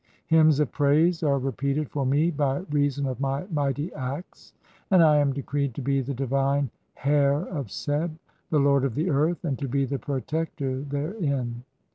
Hymns of praise are "repeated for [me] by reason of [my] mighty acts, and I am "decreed to be the divine (12) Hair of Seb, the lord of the "earth and to be the protector therein.